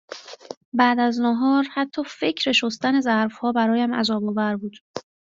بعد از ناهار حتی فکر شستن ظرفها برایم عذابآور بود